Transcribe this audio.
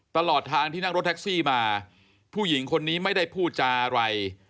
ตลอดทางที่นั่งรถแท็กซี่มาผู้หญิงคนนี้ไม่ได้พูดจาอะไร